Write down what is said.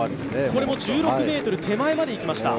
これも１６ｍ手前までいきました。